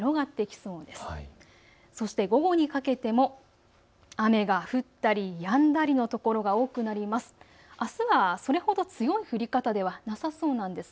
そして午後にかけても雨が降ったりやんだりの所が多くなります。